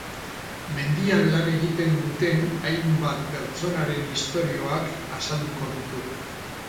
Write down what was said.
Mendian lan egiten duten hainbat pertsonaren istorioak azalduko ditu.